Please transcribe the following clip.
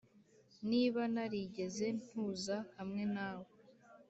niba narigeze ntuza hamwe nawe,